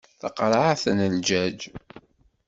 D taqerɛet n jjaj.